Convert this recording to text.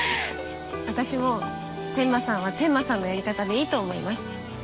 私も天間さんは天間さんのやり方でいいと思います。